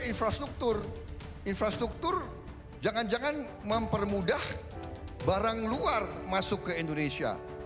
infrastruktur infrastruktur jangan jangan mempermudah barang luar masuk ke indonesia